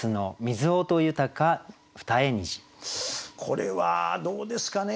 これはどうですかね。